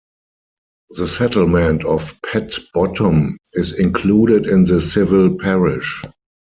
The settlement of Pett Bottom is included in the civil parish.